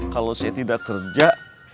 kalau saya tidak kerja